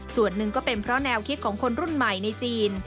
ส่วนหนึ่งก็เป็นเพราะแนวคิดของคนรุ่นใหม่ในจีน